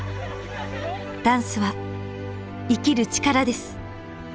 ダンスは生きる力です。